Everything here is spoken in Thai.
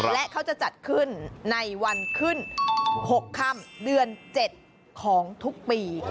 และเขาจะจัดขึ้นในวันขึ้น๖ค่ำเดือน๗ของทุกปี